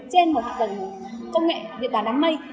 trên một hạ tầng công nghệ điện toán đám mây